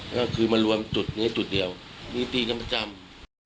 ก็คือมารวมจุดนี้จุดเดียวมีตีกันประจำ